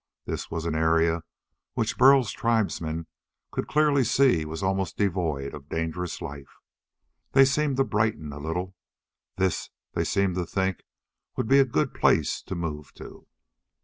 This was an area which Burl's tribesmen could clearly see was almost devoid of dangerous life. They seemed to brighten a little. This, they seemed to think, would be a good place to move to.